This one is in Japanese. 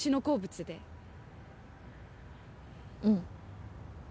うん。